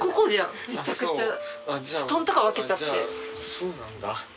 そうなんだ。